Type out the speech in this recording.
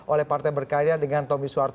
oleh partai berkarya dengan tommy soeharto